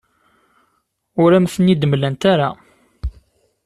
Ur am-ten-id-mlant ara.